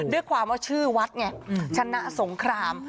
ด้วยความว่าชื่อวัดไงชนะสงคราม